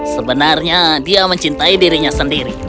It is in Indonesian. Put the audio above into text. sebenarnya dia mencintai dirinya sendiri